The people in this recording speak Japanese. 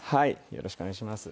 よろしくお願いします。